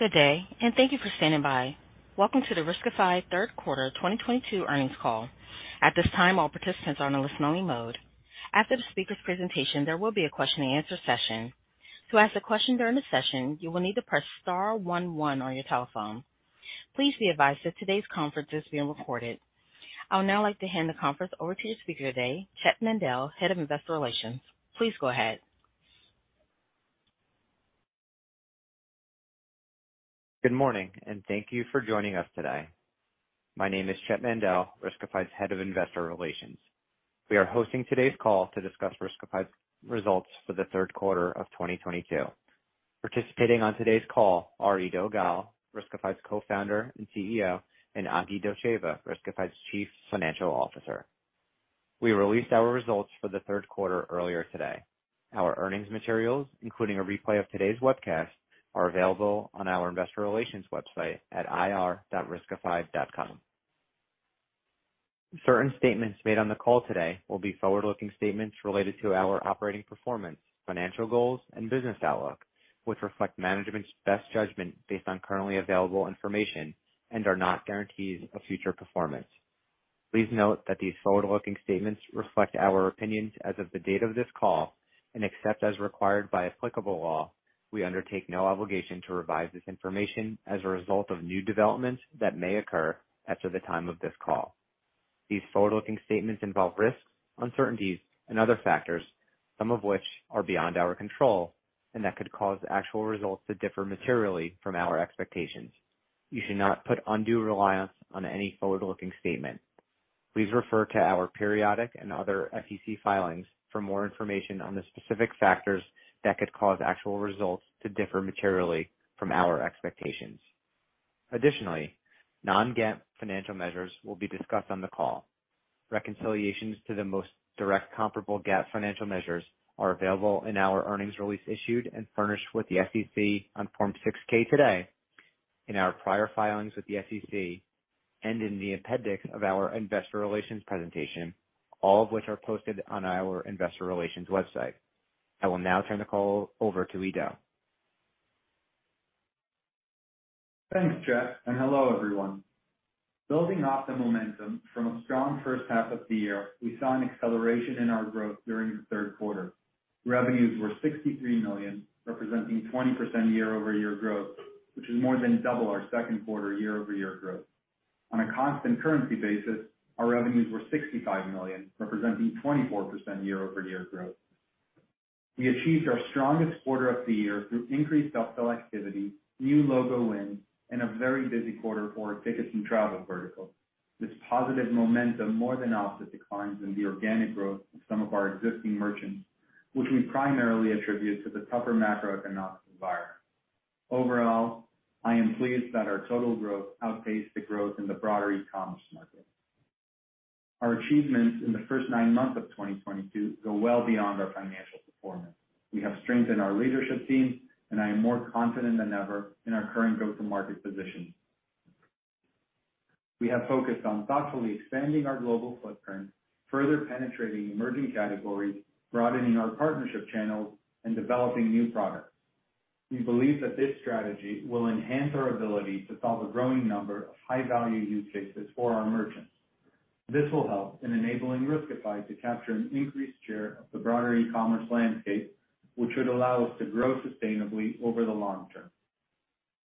Good day, and thank you for standing by. Welcome to the Riskified third quarter 2022 earnings call. At this time, all participants are in a listen-only mode. After the speaker presentation, there will be a question and answer session. To ask a question during the session, you will need to press star one one on your telephone. Please be advised that today's conference is being recorded. I would now like to hand the conference over to your speaker today, Chett Mandel, Head of Investor Relations. Please go ahead. Good morning, and thank you for joining us today. My name is Chett Mandel, Riskified's Head of Investor Relations. We are hosting today's call to discuss Riskified's results for the third quarter of 2022. Participating on today's call are Eido Gal, Riskified's Co-founder and CEO, and Agi Dotcheva, Riskified's Chief Financial Officer. We released our results for the third quarter earlier today. Our earnings materials, including a replay of today's webcast, are available on our investor relations website at ir.riskified.com. Certain statements made on the call today will be forward-looking statements related to our operating performance, financial goals, and business outlook, which reflect management's best judgment based on currently available information and are not guarantees of future performance. Please note that these forward-looking statements reflect our opinions as of the date of this call, and except as required by applicable law, we undertake no obligation to revise this information as a result of new developments that may occur after the time of this call. These forward-looking statements involve risks, uncertainties, and other factors, some of which are beyond our control, and that could cause actual results to differ materially from our expectations. You should not put undue reliance on any forward-looking statement. Please refer to our periodic and other SEC filings for more information on the specific factors that could cause actual results to differ materially from our expectations. Additionally, non-GAAP financial measures will be discussed on the call. Reconciliations to the most direct comparable GAAP financial measures are available in our earnings release issued and furnished with the SEC on Form 6-K today in our prior filings with the SEC and in the appendix of our investor relations presentation, all of which are posted on our investor relations website. I will now turn the call over to Eido. Thanks, Chett, and hello, everyone. Building off the momentum from a strong first half of the year, we saw an acceleration in our growth during the third quarter. Revenues were $63 million, representing 20% year-over-year growth, which is more than double our second quarter year-over-year growth. On a constant currency basis, our revenues were $65 million, representing 24% year-over-year growth. We achieved our strongest quarter of the year through increased upsell activity, new logo wins, and a very busy quarter for our tickets and travel vertical. This positive momentum more than offset declines in the organic growth of some of our existing merchants, which we primarily attribute to the tougher macroeconomic environment. Overall, I am pleased that our total growth outpaced the growth in the broader e-commerce market. Our achievements in the first nine months of 2022 go well beyond our financial performance. We have strengthened our leadership team, and I am more confident than ever in our current go-to-market position. We have focused on thoughtfully expanding our global footprint, further penetrating emerging categories, broadening our partnership channels, and developing new products. We believe that this strategy will enhance our ability to solve a growing number of high-value use cases for our merchants. This will help in enabling Riskified to capture an increased share of the broader e-commerce landscape, which would allow us to grow sustainably over the long term.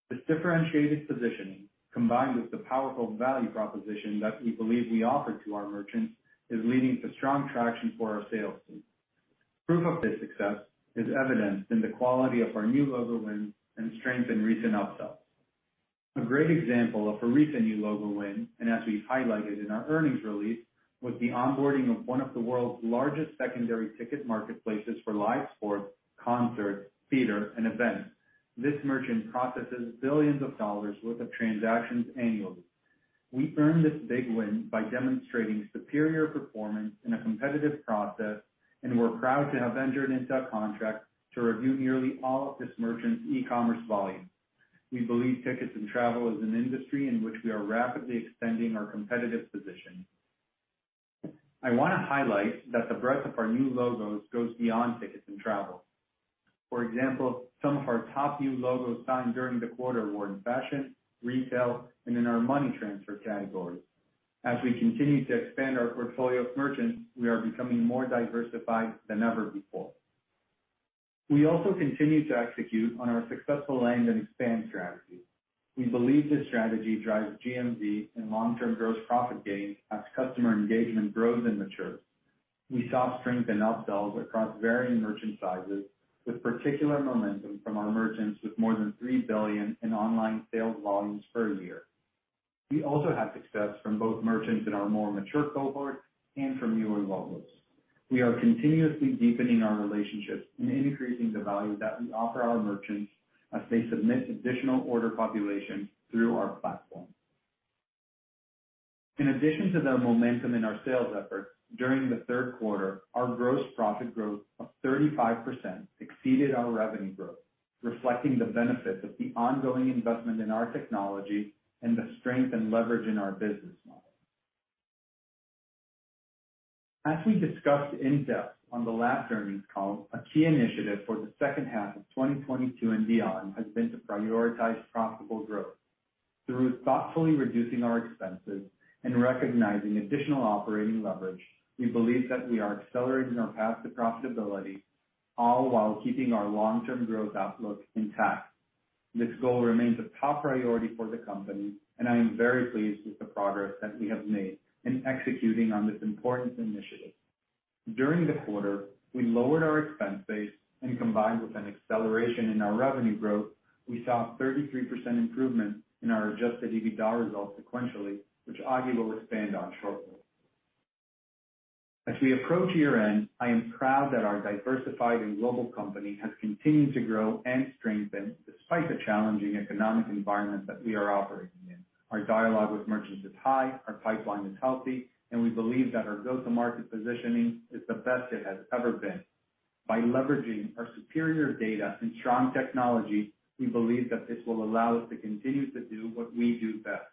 This differentiated positioning, combined with the powerful value proposition that we believe we offer to our merchants, is leading to strong traction for our sales team. Proof of this success is evident in the quality of our new logo wins and strength in recent upsells. A great example of a recent new logo win, as we've highlighted in our earnings release, was the onboarding of one of the world's largest secondary ticket marketplaces for live sports, concerts, theater, and events. This merchant processes billions of dollars worth of transactions annually. We earned this big win by demonstrating superior performance in a competitive process, and we're proud to have entered into a contract to review nearly all of this merchant's e-commerce volume. We believe tickets and travel is an industry in which we are rapidly extending our competitive position. I wanna highlight that the breadth of our new logos goes beyond tickets and travel. For example, some of our top new logos signed during the quarter were in fashion, retail, and in our money transfer category. As we continue to expand our portfolio of merchants, we are becoming more diversified than ever before. We also continue to execute on our successful land and expand strategy. We believe this strategy drives GMV and long-term gross profit gains as customer engagement grows and matures. We saw strength in upsells across varying merchant sizes, with particular momentum from our merchants with more than $3 billion in online sales volumes per year. We also had success from both merchants in our more mature cohort and from newer logos. We are continuously deepening our relationships and increasing the value that we offer our merchants as they submit additional order population through our platform. In addition to the momentum in our sales efforts during the third quarter, our gross profit growth of 35% exceeded our revenue growth, reflecting the benefits of the ongoing investment in our technology and the strength and leverage in our business model. As we discussed in depth on the last earnings call, a key initiative for the second half of 2022 and beyond has been to prioritize profitable growth. Through thoughtfully reducing our expenses and recognizing additional operating leverage, we believe that we are accelerating our path to profitability, all while keeping our long-term growth outlook intact. This goal remains a top priority for the company, and I am very pleased with the progress that we have made in executing on this important initiative. During the quarter, we lowered our expense base and combined with an acceleration in our revenue growth, we saw a 33% improvement in our Adjusted EBITDA results sequentially, which Agi will expand on shortly. As we approach year-end, I am proud that our diversified and global company has continued to grow and strengthen despite the challenging economic environment that we are operating in. Our dialogue with merchants is high, our pipeline is healthy, and we believe that our go-to-market positioning is the best it has ever been. By leveraging our superior data and strong technology, we believe that this will allow us to continue to do what we do best,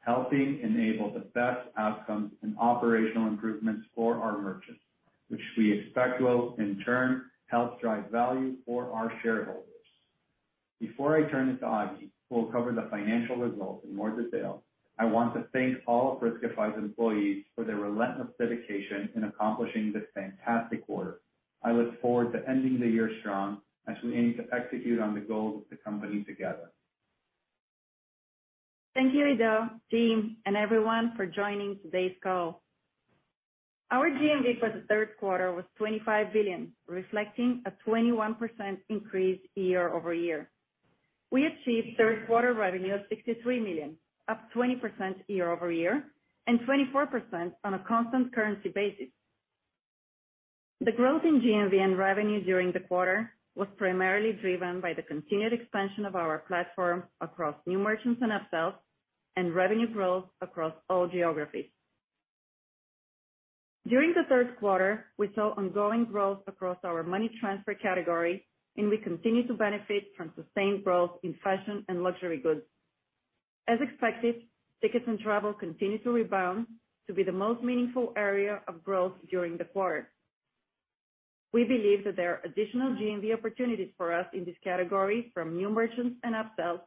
helping enable the best outcomes and operational improvements for our merchants, which we expect will, in turn, help drive value for our shareholders. Before I turn it to Agi, who will cover the financial results in more detail, I want to thank all of Riskified's employees for their relentless dedication in accomplishing this fantastic quarter. I look forward to ending the year strong as we aim to execute on the goals of the company together. Thank you, Eido, team, and everyone for joining today's call. Our GMV for the third quarter was $25 billion, reflecting a 21% increase year-over-year. We achieved third quarter revenue of $63 million, up 20% year-over-year, and 24% on a constant currency basis. The growth in GMV and revenue during the quarter was primarily driven by the continued expansion of our platform across new merchants and upsells, and revenue growth across all geographies. During the third quarter, we saw ongoing growth across our money transfer category, and we continue to benefit from sustained growth in fashion and luxury goods. As expected, tickets and travel continued to rebound to be the most meaningful area of growth during the quarter. We believe that there are additional GMV opportunities for us in this category from new merchants and upsells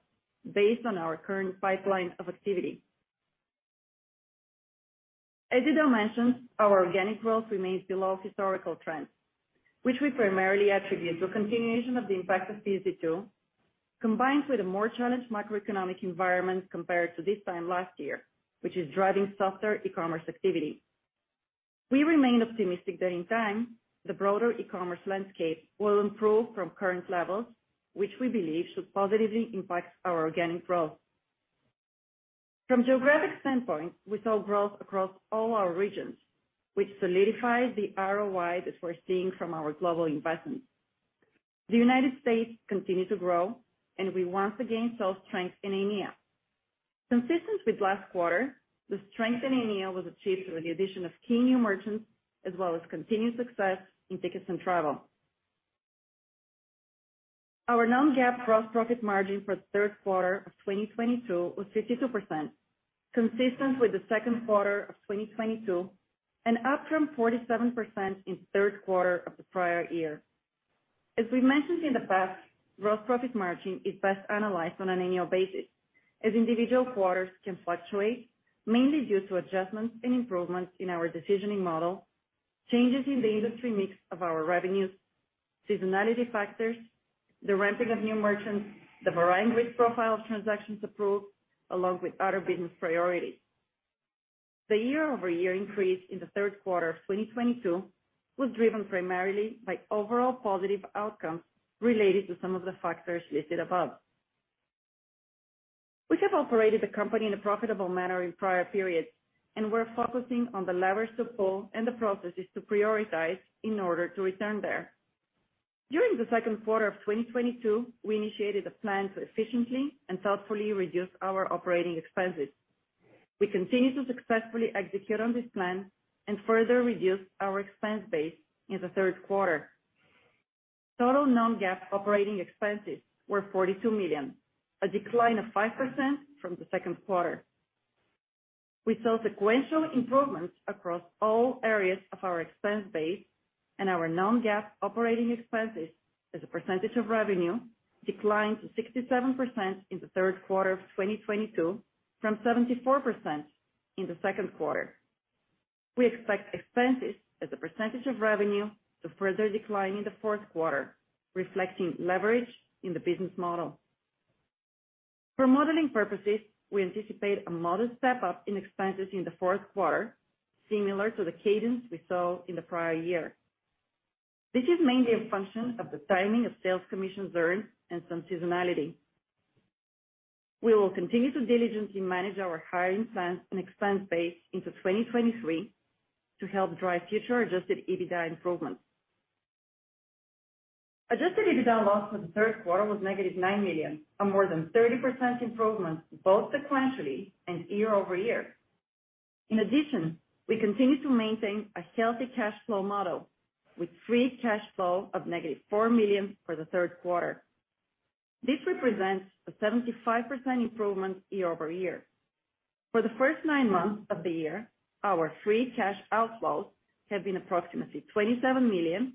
based on our current pipeline of activity. As Eido mentioned, our organic growth remains below historical trends, which we primarily attribute to a continuation of the impact of PSD2, combined with a more challenged macroeconomic environment compared to this time last year, which is driving softer e-commerce activity. We remain optimistic that in time, the broader e-commerce landscape will improve from current levels, which we believe should positively impact our organic growth. From geographic standpoint, we saw growth across all our regions, which solidifies the ROI that we're seeing from our global investments. The United States continued to grow, and we once again saw strength in EMEA. Consistent with last quarter, the strength in EMEA was achieved through the addition of key new merchants as well as continued success in tickets and travel. Our non-GAAP gross profit margin for the third quarter of 2022 was 52%, consistent with the second quarter of 2022 and up from 47% in third quarter of the prior year. As we mentioned in the past, gross profit margin is best analyzed on an annual basis, as individual quarters can fluctuate, mainly due to adjustments and improvements in our decisioning model, changes in the industry mix of our revenues, seasonality factors, the ramping of new merchants, the varying risk profile of transactions approved, along with other business priorities. The year-over-year increase in the third quarter of 2022 was driven primarily by overall positive outcomes related to some of the factors listed above. We have operated the company in a profitable manner in prior periods, and we're focusing on the levers to pull and the processes to prioritize in order to return there. During the second quarter of 2022, we initiated a plan to efficiently and thoughtfully reduce our operating expenses. We continue to successfully execute on this plan and further reduce our expense base in the third quarter. Total non-GAAP operating expenses were $42 million, a decline of 5% from the second quarter. We saw sequential improvements across all areas of our expense base, and our non-GAAP operating expenses as a percentage of revenue declined to 67% in the third quarter of 2022 from 74% in the second quarter. We expect expenses as a percentage of revenue to further decline in the fourth quarter, reflecting leverage in the business model. For modeling purposes, we anticipate a modest step-up in expenses in the fourth quarter, similar to the cadence we saw in the prior year. This is mainly a function of the timing of sales commissions earned and some seasonality. We will continue to diligently manage our hiring plans and expense base into 2023 to help drive future Adjusted EBITDA improvements. Adjusted EBITDA loss for the third quarter was -$9 million, a more than 30% improvement both sequentially and year-over-year. In addition, we continue to maintain a healthy cash flow model with free cash flow of -$4 million for the third quarter. This represents a 75% improvement year-over-year. For the first nine months of the year, our free cash outflows have been approximately $27 million,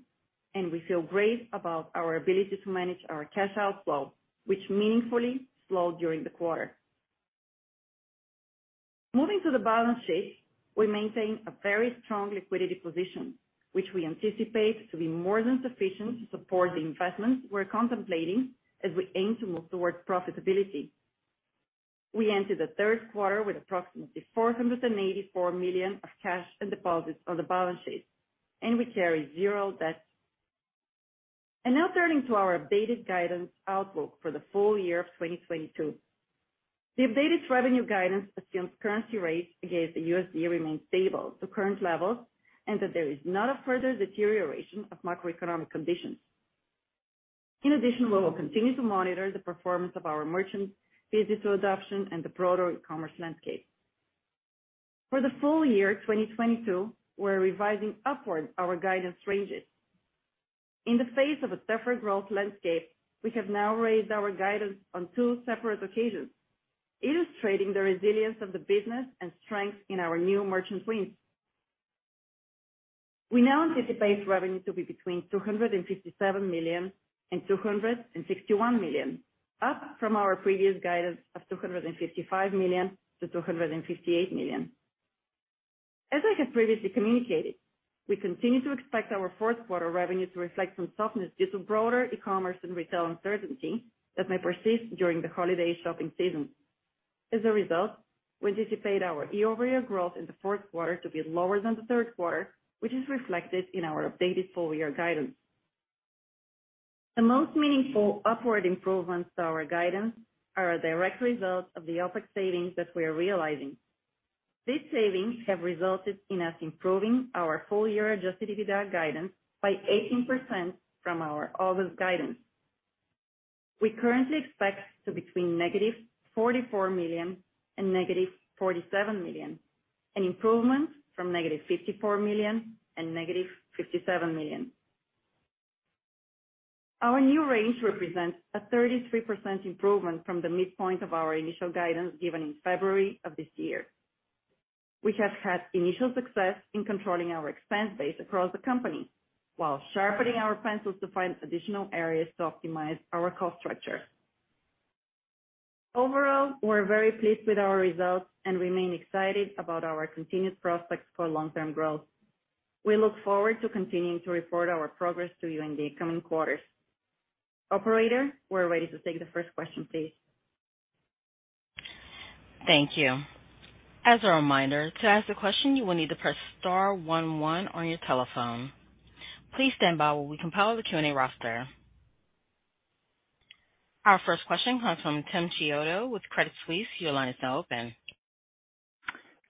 and we feel great about our ability to manage our cash outflow, which meaningfully slowed during the quarter. Moving to the balance sheet, we maintain a very strong liquidity position, which we anticipate to be more than sufficient to support the investments we're contemplating as we aim to move towards profitability. We entered the third quarter with approximately $484 million of cash and deposits on the balance sheet, and we carry zero debt. Now turning to our updated guidance outlook for the full year of 2022. The updated revenue guidance assumes currency rates against the USD remain stable to current levels and that there is not a further deterioration of macroeconomic conditions. In addition, we will continue to monitor the performance of our merchants, business adoption, and the broader e-commerce landscape. For the full year 2022, we're revising upward our guidance ranges. In the face of a tougher growth landscape, we have now raised our guidance on two separate occasions, illustrating the resilience of the business and strength in our new merchant wins. We now anticipate revenue to be between $257 million and $261 million, up from our previous guidance of $255 million-$258 million. As I have previously communicated, we continue to expect our fourth quarter revenue to reflect some softness due to broader e-commerce and retail uncertainty that may persist during the holiday shopping season. As a result, we anticipate our year-over-year growth in the fourth quarter to be lower than the third quarter, which is reflected in our updated full year guidance. The most meaningful upward improvements to our guidance are a direct result of the OpEx savings that we are realizing. These savings have resulted in us improving our full-year Adjusted EBITDA guidance by 18% from our August guidance. We currently expect to be between -$44 million and -$47 million, an improvement from -$54 million and -$57 million. Our new range represents a 33% improvement from the midpoint of our initial guidance given in February of this year. We have had initial success in controlling our expense base across the company while sharpening our pencils to find additional areas to optimize our cost structure. Overall, we're very pleased with our results and remain excited about our continued prospects for long-term growth. We look forward to continuing to report our progress to you in the coming quarters. Operator, we're ready to take the first question, please. Thank you. As a reminder, to ask the question, you will need to press star one one on your telephone. Please stand by while we compile the Q&A roster. Our first question comes from Tim Chiodo with Credit Suisse. Your line is now open.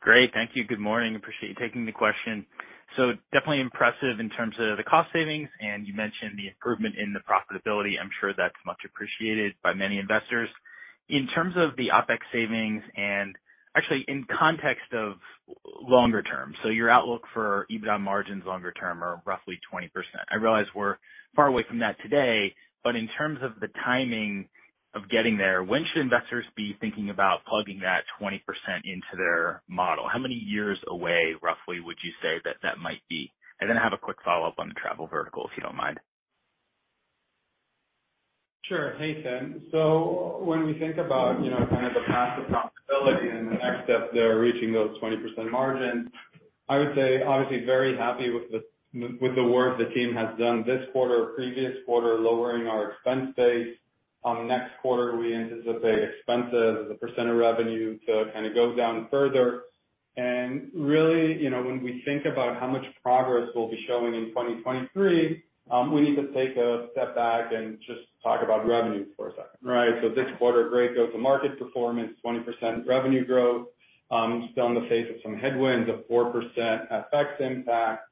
Great. Thank you. Good morning. Appreciate you taking the question. Definitely impressive in terms of the cost savings, and you mentioned the improvement in the profitability. I'm sure that's much appreciated by many investors. In terms of the OpEx savings and actually in context of longer term, your outlook for EBITDA margins longer term are roughly 20%. I realize we're far away from that today, but in terms of the timing of getting there, when should investors be thinking about plugging that 20% into their model? How many years away, roughly, would you say that might be? And then I have a quick follow-up on the travel vertical, if you don't mind. Sure. Hey, Tim. When we think about, you know, kind of the path to profitability and the next step there reaching those 20% margins, I would say obviously very happy with the work the team has done this quarter, previous quarter, lowering our expense base. Next quarter, we anticipate expenses as a percent of revenue to kind of go down further. Really, you know, when we think about how much progress we'll be showing in 2023, we need to take a step back and just talk about revenue for a second, right? This quarter, great. Those are market performance, 20% revenue growth, still in the face of some headwinds of 4% FX impact,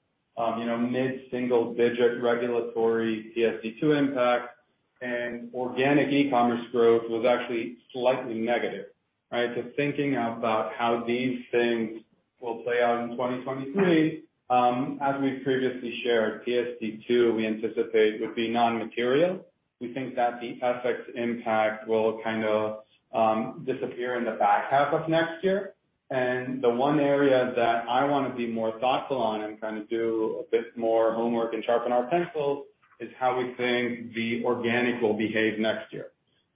you know, mid-single digit regulatory PSD2 impact, and organic e-commerce growth was actually slightly negative, right? Thinking about how these things will play out in 2023, as we've previously shared, PSD2, we anticipate would be non-material. We think that the FX impact will kind of disappear in the back half of next year. The one area that I wanna be more thoughtful on and kind of do a bit more homework and sharpen our pencils is how we think the organic will behave next year,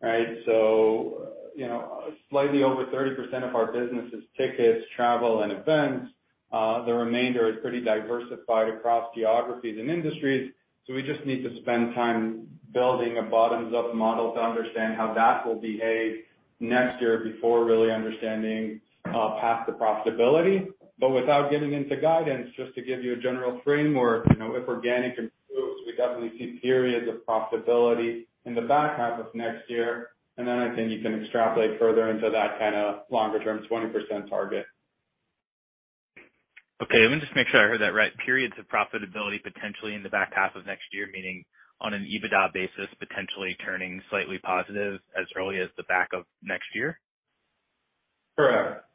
right? You know, slightly over 30% of our business is tickets, travel, and events. The remainder is pretty diversified across geographies and industries. We just need to spend time building a bottoms-up model to understand how that will behave next year before really understanding path to profitability. Without getting into guidance, just to give you a general framework, you know, if organic improves, we definitely see periods of profitability in the back half of next year, and then I think you can extrapolate further into that kinda longer term 20% target. Okay, let me just make sure I heard that right. Periods of profitability potentially in the back half of next year, meaning on an EBITDA basis, potentially turning slightly positive as early as the back of next year? Correct.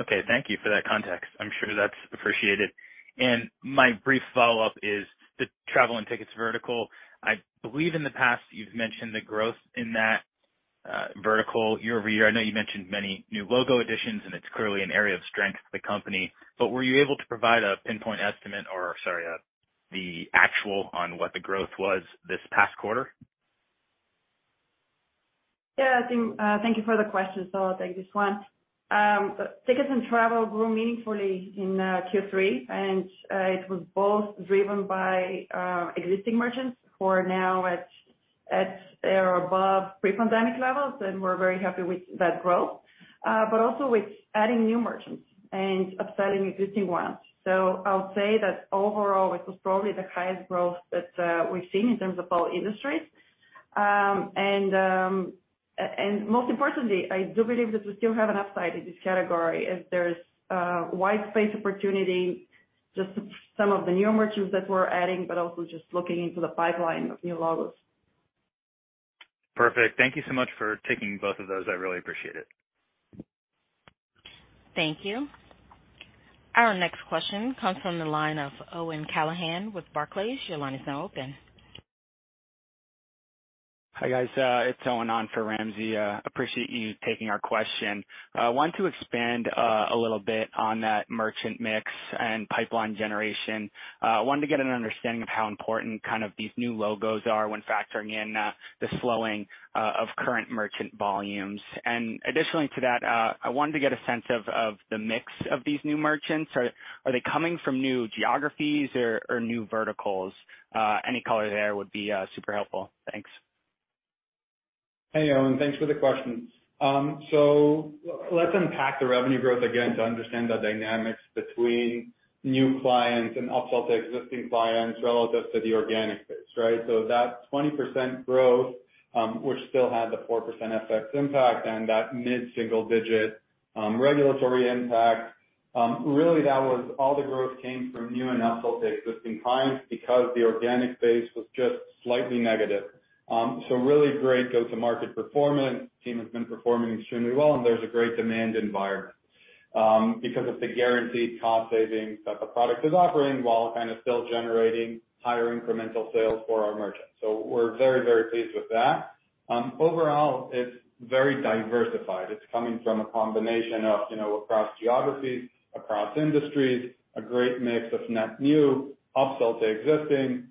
Okay, thank you for that context. I'm sure that's appreciated. My brief follow-up is the travel and tickets vertical. I believe in the past you've mentioned the growth in that vertical year-over-year. I know you mentioned many new logo additions, and it's clearly an area of strength for the company, but were you able to provide a pinpoint estimate or, sorry, the actual on what the growth was this past quarter? Thank you for the question, so I'll take this one. Tickets and travel grew meaningfully in Q3, and it was both driven by existing merchants who are now at or above pre-pandemic levels, and we're very happy with that growth. But also with adding new merchants and upselling existing ones. I'll say that overall it was probably the highest growth that we've seen in terms of all industries. Most importantly, I do believe that we still have an upside in this category as there's widespread opportunity, just some of the new merchants that we're adding, but also just looking into the pipeline of new logos. Perfect. Thank you so much for taking both of those. I really appreciate it. Thank you. Our next question comes from the line of Owen Callahan with Barclays. Your line is now open. Hi, guys. It's Owen on for Ramsey. Appreciate you taking our question. I want to expand a little bit on that merchant mix and pipeline generation. Wanted to get an understanding of how important kind of these new logos are when factoring in the slowing of current merchant volumes. Additionally to that, I wanted to get a sense of the mix of these new merchants. Are they coming from new geographies or new verticals? Any color there would be super helpful. Thanks. Hey, Owen, thanks for the question. Let's unpack the revenue growth again to understand the dynamics between new clients and upsell to existing clients relative to the organic base, right? That 20% growth, which still had the 4% FX impact and that mid-single-digit regulatory impact, really that was all the growth came from new and upsell to existing clients because the organic base was just slightly negative. Really great go-to-market performance. Team has been performing extremely well, and there's a great demand environment, because of the guaranteed cost savings that the product is offering while kind of still generating higher incremental sales for our merchants. We're very, very pleased with that. Overall, it's very diversified. It's coming from a combination of, you know, across geographies, across industries, a great mix of net new, upsell to existing,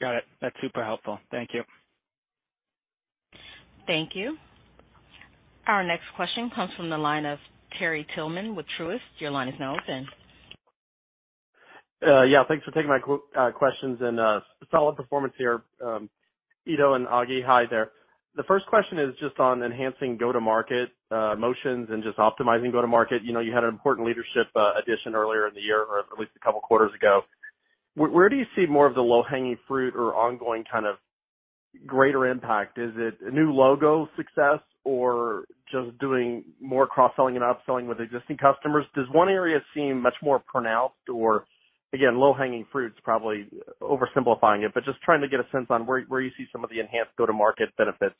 yeah. Got it. That's super helpful. Thank you. Thank you. Our next question comes from the line of Terry Tillman with Truist. Your line is now open. Yeah, thanks for taking my questions, and solid performance here. Eido and Agi, hi there. The first question is just on enhancing go-to-market motions and just optimizing go-to-market. You know, you had an important leadership addition earlier in the year or at least a couple quarters ago. Where do you see more of the low-hanging fruit or ongoing kind of greater impact? Is it a new logo success or just doing more cross-selling and upselling with existing customers? Does one area seem much more pronounced or, again, low-hanging fruit's probably oversimplifying it, but just trying to get a sense on where you see some of the enhanced go-to-market benefits,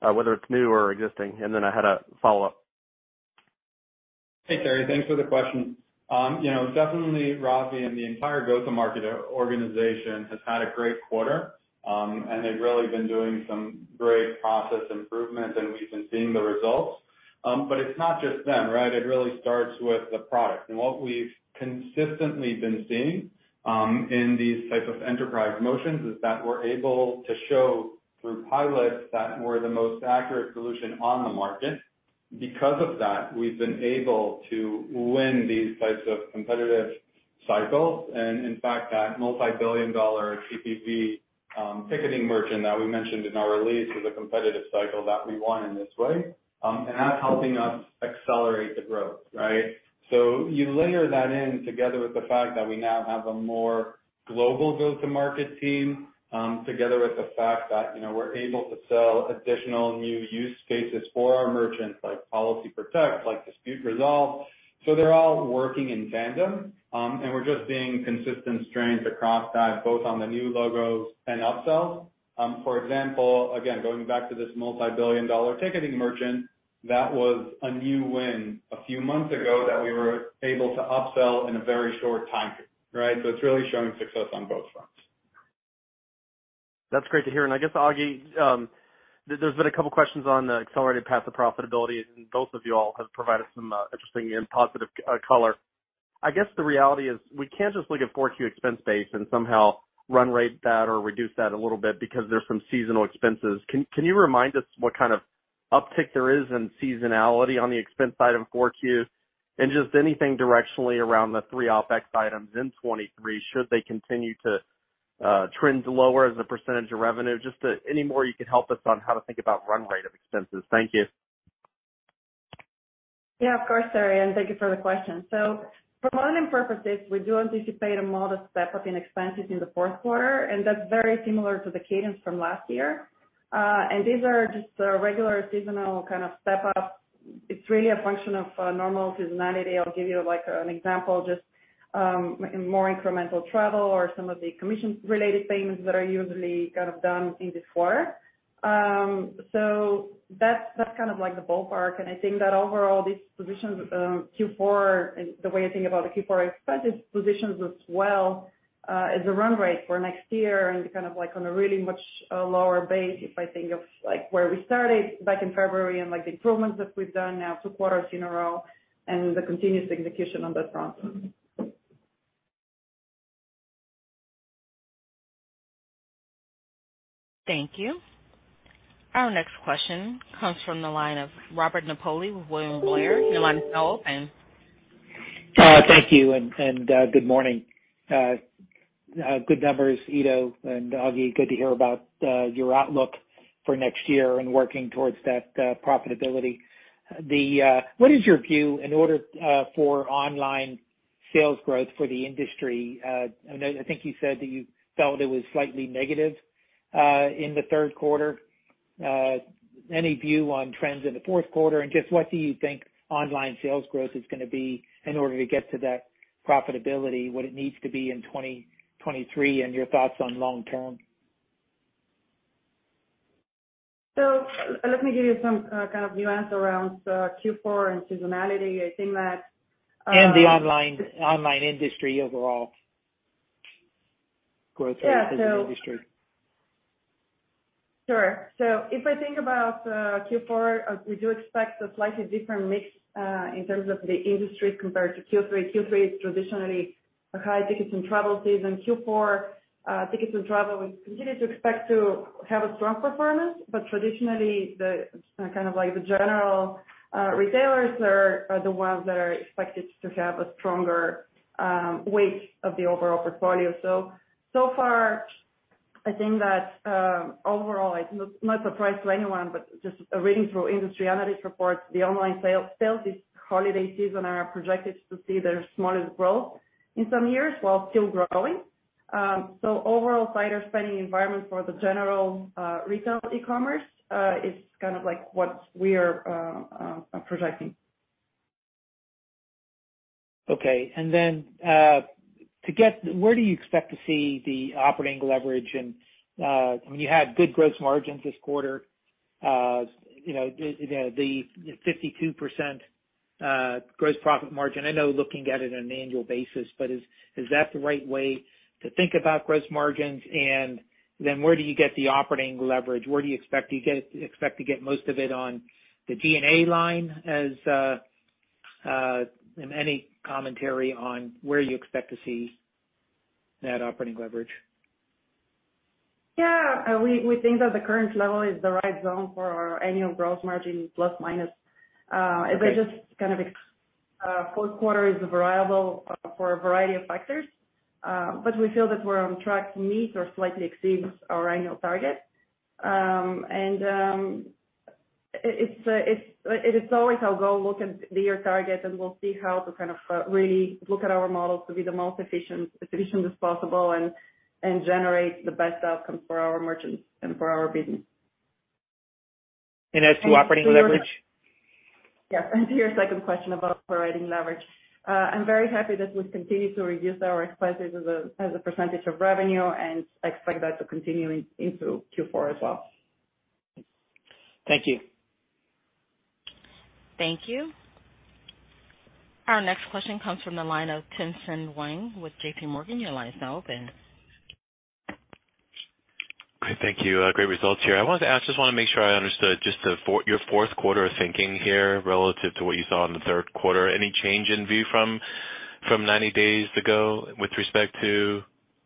whether it's new or existing. Then I had a follow-up. Hey, Terry. Thanks for the question. You know, definitely Ravi and the entire go-to-market organization has had a great quarter, and they've really been doing some great process improvements and we've been seeing the results. It's not just them, right? It really starts with the product. What we've consistently been seeing, in these type of enterprise motions is that we're able to show through pilots that we're the most accurate solution on the market. Because of that, we've been able to win these types of competitive cycles. In fact, that multi-billion dollar C2B, ticketing merchant that we mentioned in our release is a competitive cycle that we won in this way. That's helping us accelerate the growth, right? You layer that in together with the fact that we now have a more global go-to-market team, together with the fact that, you know, we're able to sell additional new use cases for our merchants like Policy Protect, like Dispute Resolve. They're all working in tandem, and we're just seeing consistent strength across that, both on the new logos and upsells. For example, again, going back to this multi-billion-dollar ticketing merchant, that was a new win a few months ago that we were able to upsell in a very short time period, right? It's really showing success on both fronts. That's great to hear. I guess, Agi, there's been a couple questions on the accelerated path to profitability, and both of you all have provided some interesting and positive color. I guess the reality is we can't just look at 4Q expense base and somehow run rate that or reduce that a little bit because there's some seasonal expenses. Can you remind us what kind of uptick there is in seasonality on the expense side of 4Q? Just anything directionally around the three OpEx items in 2023, should they continue to trend lower as a percentage of revenue? Just any more you can help us on how to think about run rate of expenses. Thank you. Yeah, of course, Terry, and thank you for the question. For modeling purposes, we do anticipate a modest step up in expenses in the fourth quarter, and that's very similar to the cadence from last year. And these are just a regular seasonal kind of step up. It's really a function of normal seasonality. I'll give you, like, an example, just more incremental travel or some of the commission-related payments that are usually kind of done in Q4. So that's kind of like the ballpark. I think that overall these positions, Q4 and the way I think about the Q4 expenses positions as well, as a run rate for next year and kind of like on a really much lower base, if I think of, like, where we started back in February and like the improvements that we've done now two quarters in a row and the continuous execution on that front. Thank you. Our next question comes from the line of Robert Napoli with William Blair. Your line is now open. Thank you and good morning. Good numbers, Eido and Agi. Good to hear about your outlook for next year and working towards that profitability. What is your view in order for online sales growth for the industry? I know I think you said that you felt it was slightly negative in the third quarter. Any view on trends in the fourth quarter? Just what do you think online sales growth is gonna be in order to get to that profitability, what it needs to be in 2023, and your thoughts on long term? Let me give you some kind of nuance around Q4 and seasonality. I think that. The online industry overall. Growth rate in the industry. Sure. If I think about Q4, we do expect a slightly different mix in terms of the industry compared to Q3. Q3 is traditionally a high tickets and travel season. Q4, tickets and travel, we continue to expect to have a strong performance. Traditionally the kind of like the general retailers are the ones that are expected to have a stronger weight of the overall portfolio. So far I think that overall, it's no surprise to anyone, but just reading through industry analysis reports, the online sales this holiday season are projected to see their smallest growth in some years while still growing. Overall tighter spending environment for the general retail e-commerce is kind of like what we're projecting. Okay. Where do you expect to see the operating leverage? I mean, you had good gross margins this quarter. You know, the 52% gross profit margin. I know looking at it on an annual basis, but is that the right way to think about gross margins? Where do you get the operating leverage? Where do you expect to get most of it on the G&A line, and any commentary on where you expect to see that operating leverage? Yeah. We think that the current level is the right zone for our annual gross margin, plus minus. Okay. Fourth quarter is a variable for a variety of factors, but we feel that we're on track to meet or slightly exceed our annual target. It is always our goal to look at the year target, and we'll see how to kind of really look at our models to be the most efficient as possible and generate the best outcome for our merchants and for our business. As to operating leverage? Yeah. To your second question about operating leverage. I'm very happy that we've continued to reduce our expenses as a percentage of revenue and expect that to continue into Q4 as well. Thank you. Thank you. Our next question comes from the line of Tien-tsin Huang with JPMorgan. Your line is now open. Thank you. Great results here. I wanted to ask, just wanna make sure I understood your fourth quarter thinking here relative to what you saw in the third quarter. Any change in view from 90 days ago with respect to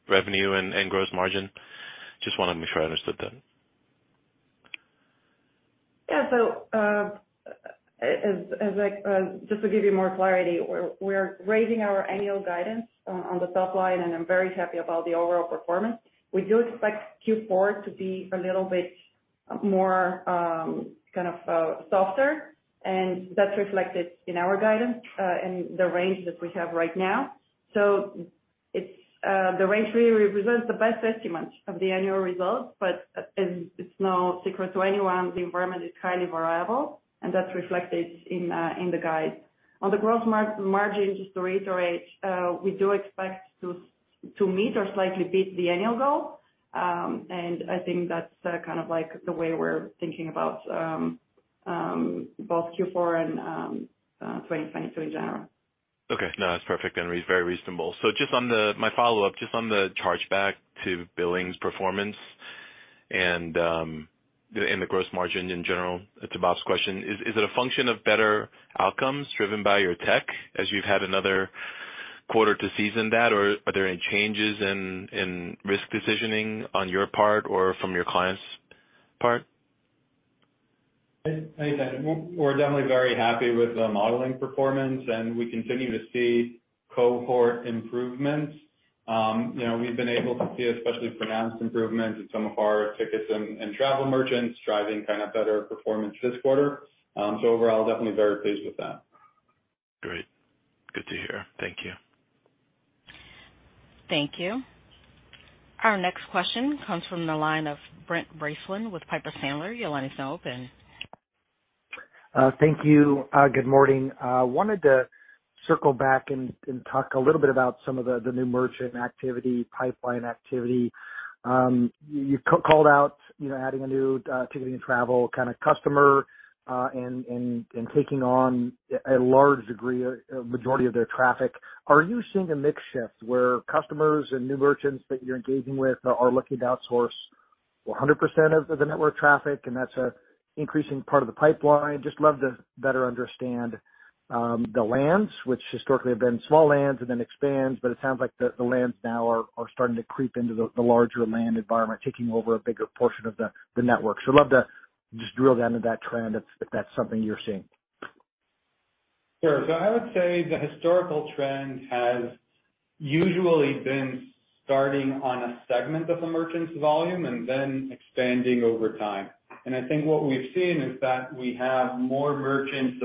revenue and gross margin? Just wanna make sure I understood that. Yeah. As I just to give you more clarity, we're raising our annual guidance on the top line, and I'm very happy about the overall performance. We do expect Q4 to be a little bit more kind of softer, and that's reflected in our guidance in the range that we have right now. It's the range really represents the best estimate of the annual results, but it's no secret to anyone, the environment is highly variable and that's reflected in the guide. On the gross margin, just to reiterate, we do expect to meet or slightly beat the annual goal. I think that's kind of like the way we're thinking about both Q4 and 2023 in general. Okay. No, that's perfect and very reasonable. Just on my follow-up, just on the chargeback to billings performance and the gross margin in general to Bob's question, is it a function of better outcomes driven by your tech as you've had another quarter to season that? Or are there any changes in risk decisioning on your part or from your clients' part? Hey, thanks. We're definitely very happy with the modeling performance, and we continue to see cohort improvements. You know, we've been able to see especially pronounced improvements in some of our tickets and travel merchants driving kind of better performance this quarter. So overall, definitely very pleased with that. Thank you. Thank you. Our next question comes from the line of Brent Bracelin with Piper Sandler. Your line is now open. Thank you. Good morning. Wanted to circle back and talk a little bit about some of the new merchant activity, pipeline activity. You called out, you know, adding a new ticketing and travel kind of customer and taking on a large degree, a majority of their traffic. Are you seeing a mix shift where customers and new merchants that you're engaging with are looking to outsource 100% of the network traffic, and that's an increasing part of the pipeline? Just love to better understand the wins, which historically have been small wins and then expands, but it sounds like the wins now are starting to creep into the larger win environment, taking over a bigger portion of the network. Love to just drill down to that trend if that's something you're seeing. Sure. I would say the historical trend has usually been starting on a segment of a merchant's volume and then expanding over time. I think what we've seen is that we have more merchants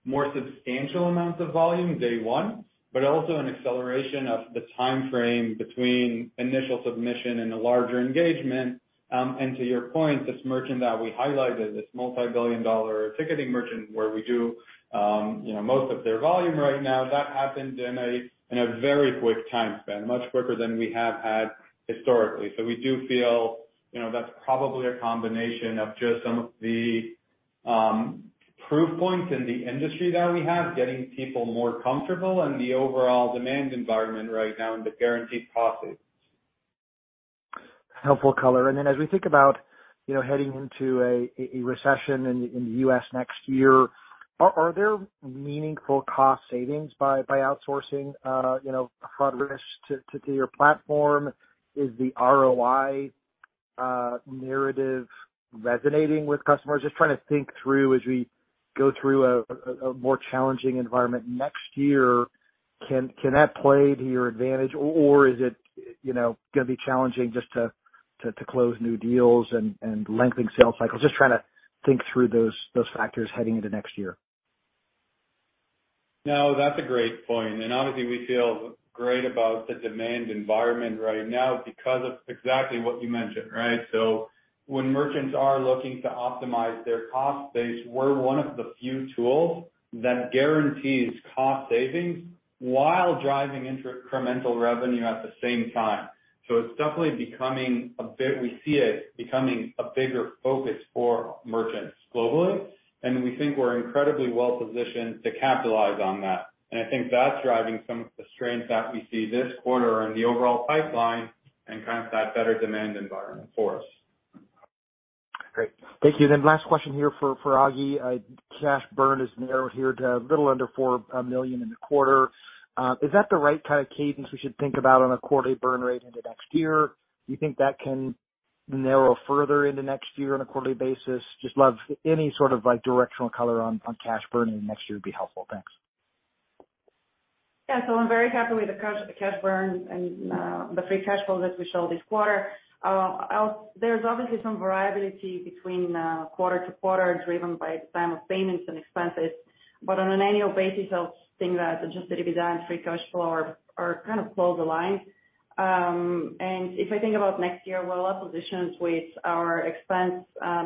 submitting more substantial amounts of volume day one, but also an acceleration of the timeframe between initial submission and a larger engagement. To your point, this merchant that we highlighted, this multi-billion-dollar ticketing merchant where we do, you know, most of their volume right now, that happened in a very quick time span, much quicker than we have had historically. We do feel, you know, that's probably a combination of just some of the proof points in the industry that we have, getting people more comfortable and the overall demand environment right now and the guaranteed profit. Helpful color. Then as we think about, you know, heading into a recession in the U.S. next year, are there meaningful cost savings by outsourcing, you know, fraud risk to your platform? Is the ROI narrative resonating with customers? Just trying to think through as we go through a more challenging environment next year, can that play to your advantage or is it, you know, gonna be challenging just to close new deals and lengthen sales cycles? Just trying to think through those factors heading into next year. No, that's a great point. Obviously we feel great about the demand environment right now because of exactly what you mentioned, right? When merchants are looking to optimize their cost base, we're one of the few tools that guarantees cost savings while driving incremental revenue at the same time. It's definitely becoming a big, we see it becoming a bigger focus for merchants globally, and we think we're incredibly well-positioned to capitalize on that. I think that's driving some of the strength that we see this quarter in the overall pipeline and kind of that better demand environment for us. Great. Thank you. Last question here for Agi. Cash burn has narrowed here to a little under $4 million in the quarter. Is that the right kind of cadence we should think about on a quarterly burn rate into next year? Do you think that can narrow further into next year on a quarterly basis? I'd love any sort of like directional color on cash burn next year would be helpful. Thanks. Yeah. I'm very happy with the cash burn and the free cash flow that we showed this quarter. There's obviously some variability between quarter-to-quarter driven by the time of payments and expenses. On an annual basis, I'll think that Adjusted EBITDA and free cash flow are kind of closely aligned. If I think about next year, well, our positioning with our expense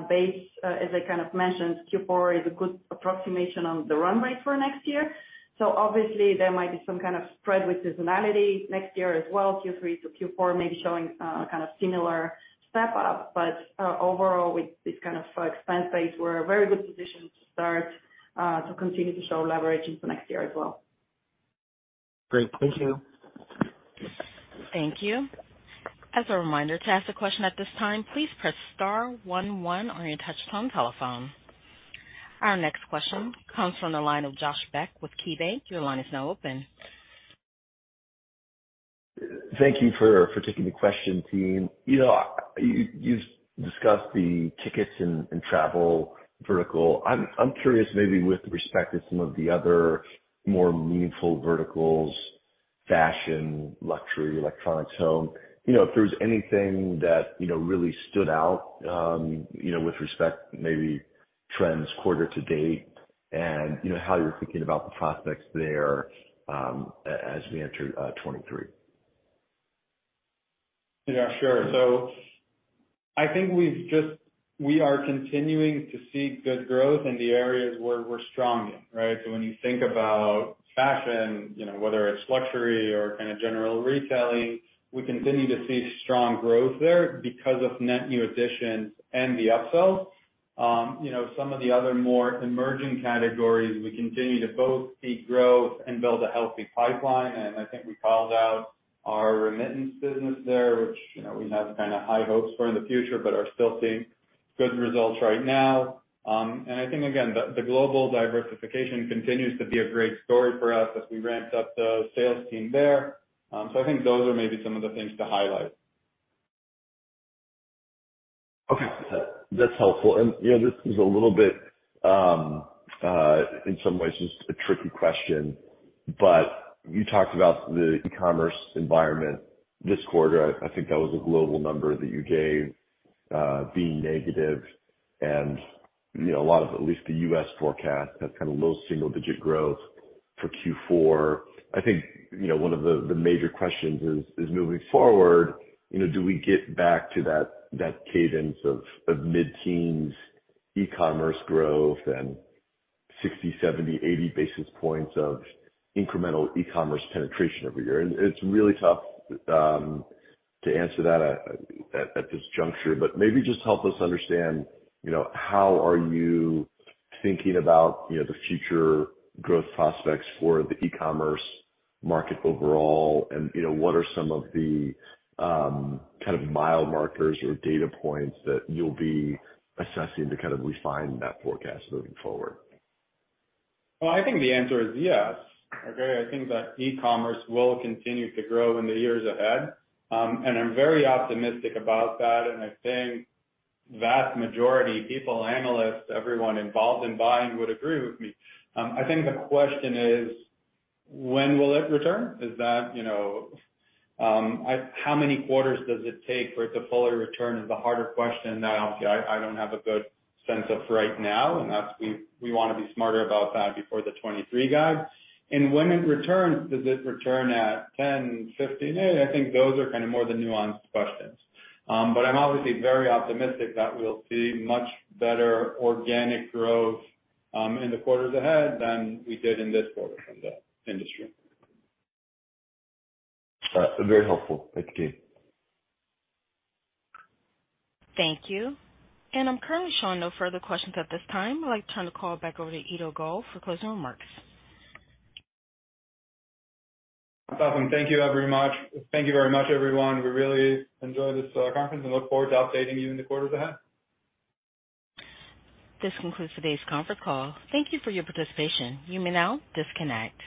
base as I kind of mentioned, Q4 is a good approximation of the run rate for next year. Obviously there might be some kind of spread with seasonality next year as well, Q3 to Q4 maybe showing kind of similar step up, but overall with this kind of expense base, we're in a very good position to start to continue to show leverage into next year as well. Great. Thank you. Thank you. As a reminder, to ask a question at this time, please press star one one on your touchtone telephone. Our next question comes from the line of Josh Beck with KeyBanc. Your line is now open. Thank you for taking the question, team. You know, you've discussed the tickets and travel vertical. I'm curious maybe with respect to some of the other more meaningful verticals, fashion, luxury, electronics, home, you know, if there's anything that you know really stood out, you know, with respect maybe trends quarter to date and you know how you're thinking about the prospects there, as we enter 2023. Yeah, sure. I think we are continuing to see good growth in the areas where we're strong in, right? When you think about fashion, you know, whether it's luxury or kind of general retailing, we continue to see strong growth there because of net new additions and the upsells. You know, some of the other more emerging categories, we continue to both see growth and build a healthy pipeline, and I think we called out our remittance business there, which, you know, we have kind of high hopes for in the future but are still seeing good results right now. I think again, the global diversification continues to be a great story for us as we ramp up the sales team there. I think those are maybe some of the things to highlight. Okay. That's helpful. You know, this is a little bit in some ways just a tricky question, but you talked about the e-commerce environment this quarter. I think that was a global number that you gave, being negative. You know, a lot of at least the U.S. forecast has kind of low single-digit growth for Q4. I think, you know, one of the major questions is moving forward, you know, do we get back to that cadence of mid-teens e-commerce growth and 60, 70, 80 basis points of incremental e-commerce penetration every year? It's really tough to answer that at this juncture, but maybe just help us understand, you know, how are you thinking about, you know, the future growth prospects for the e-commerce market overall, and, you know, what are some of the kind of mile markers or data points that you'll be assessing to kind of refine that forecast moving forward? Well, I think the answer is yes. Okay. I think that e-commerce will continue to grow in the years ahead, and I'm very optimistic about that, and I think vast majority, people, analysts, everyone involved in buying would agree with me. I think the question is when will it return? Is that, you know, how many quarters does it take for it to fully return is the harder question that obviously I don't have a good sense of right now, and that's what we wanna be smarter about that before the 2023 guide. When it returns, does it return at 10%, 15%? I think those are kind of more the nuanced questions. But I'm obviously very optimistic that we'll see much better organic growth, in the quarters ahead than we did in this quarter from the industry. All right. Very helpful. Thank you. Thank you. I'm currently showing no further questions at this time. I'd like to turn the call back over to Eido Gal for closing remarks. Awesome. Thank you very much. Thank you very much, everyone. We really enjoy this conference and look forward to updating you in the quarters ahead. This concludes today's conference call. Thank you for your participation. You may now disconnect.